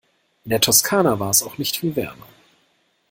In der Toskana war es auch nicht viel wärmer.